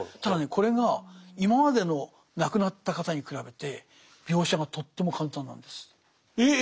これが今までの亡くなった方に比べて描写がとっても簡単なんです。え？え？